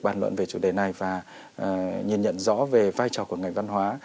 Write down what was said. bàn luận về chủ đề này và nhìn nhận rõ về vai trò của ngành văn hóa